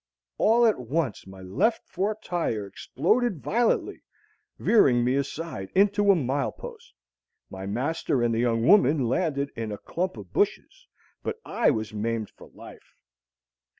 All at once my left fore tire exploded violently, veering me aside into a mile post. My master and the young woman landed in a clump of bushes, but I was maimed for life.